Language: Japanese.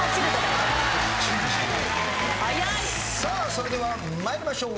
それでは参りましょう。